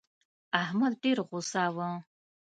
احمد ډېر غوسه و.